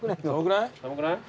寒くない。